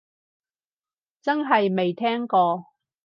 真係未聽過